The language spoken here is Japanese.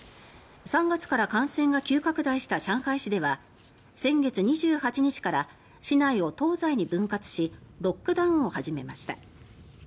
３月から感染が急拡大した上海市では先月２８日から市内を東西に分割しロックダウンを始めました。